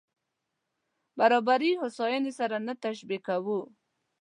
برابري هوساينې سره نه تشبیه کوو.